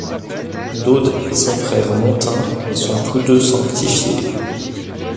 Dode et son frère Montin sont tous deux sanctifiés.